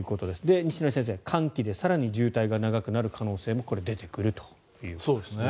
西成先生、寒気で更に渋滞が長くなる可能性も出てくると。